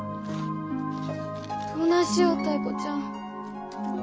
どないしよタイ子ちゃん。